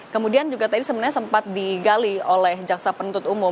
kemudian juga tadi sebenarnya sempat digali oleh jaksa penuntut umum